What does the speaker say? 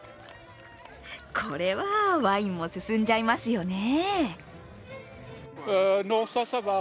これはワインも進んじゃいますよね。